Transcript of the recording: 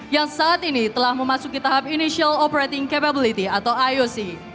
yang saat ini telah memasuki tahap initial operating capability atau ioc